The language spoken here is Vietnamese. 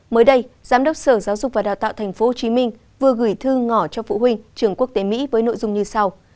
mới đây giám đốc sở giáo dục và đào tạo tp hcm vừa gửi thư ngỏ cho phụ huynh trường quốc tế mỹ với nội dung như sau